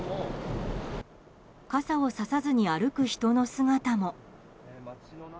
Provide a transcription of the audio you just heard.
傘を差さずに歩く人の姿も。